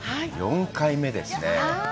４回目ですね。